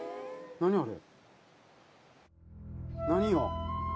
何あれ！？